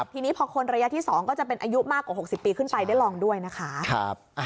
ทีนี้พอคนระยะที่๒ก็จะเป็นอายุมากกว่า๖๐ปีขึ้นไปได้ลองด้วยนะคะ